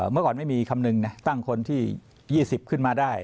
เมื่อก่อนไม่มีคำนึงนะตั้งคนที่๒๐ขึ้นมาได้